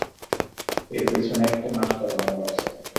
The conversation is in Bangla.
এর পেছনে একটা মাস্টার মাইন্ড আছে।